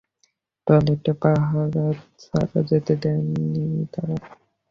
টয়লেটেও পাহারা ছাড়া যেতে পারেননি তাঁরা।